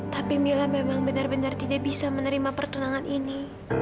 tapi mila memang benar benar tidak bisa menerima pertunangan ini